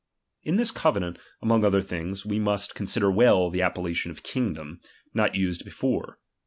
In this covenant, among other things, wecHAP. xvi, must consider well the appellation of kingdom, not F™,niL'™ce Tised before.